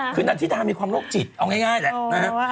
คือนาธิดามีความโรคจิตเอาง่ายแหละนะฮะ